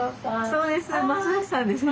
そうです。